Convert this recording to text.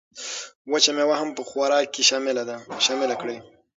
وچه مېوه هم په خوراک کې شامله کړئ.